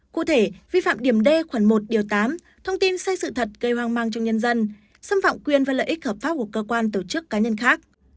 cụ thể vi phạm điểm d khoản một điều tám thông tin sai sự thật gây hoang mang trong nhân dân xâm phạm quyền và lợi ích hợp pháp của cơ quan tổ chức cá nhân khác